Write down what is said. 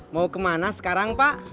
mau kemana sekarang pak